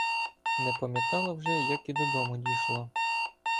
Не пам'ятала вже, як і додому дійшла.